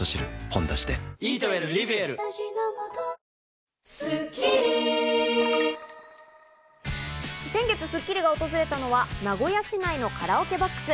「ほんだし」で先月『スッキリ』が訪れたのは、名古屋市内のカラオケボックス。